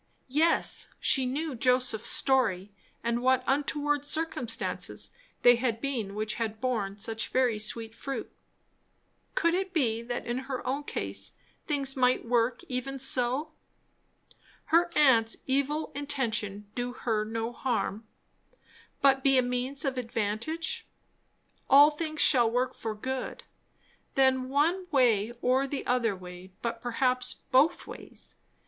Yes, she knew Joseph's story, and what untoward circumstances they had been which had borne such very sweet fruit. Could it be, that in her own case things might work even so? Her aunt's evil intention do her no harm, but be a means of advantage? "All things shall work for good" then, one way or the other way, but perhaps both ways.